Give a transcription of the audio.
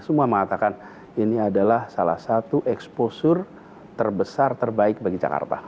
semua mengatakan ini adalah salah satu exposur terbesar terbaik bagi jakarta